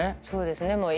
そうですね。